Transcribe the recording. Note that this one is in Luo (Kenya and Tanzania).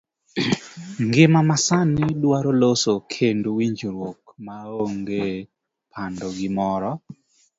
Ngima ma sani dwaro loso kendo winjruok maonge pando gimoro.